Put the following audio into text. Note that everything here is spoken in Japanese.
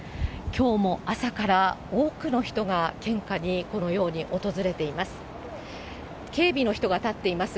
きょうも朝から多くの人が献花にこのように訪れています。